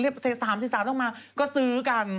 ๓๓ต้องมาก็ซื้อกัน